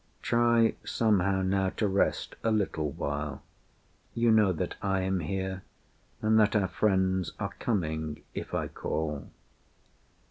Try somehow now to rest a little while; You know that I am here, and that our friends Are coming if I call."